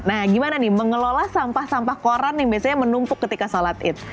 nah gimana nih mengelola sampah sampah koran yang biasanya menumpuk ketika sholat id